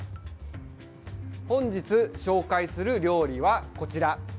本日紹介する料理はこちら。